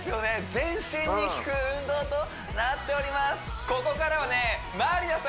全身にきく運動となっております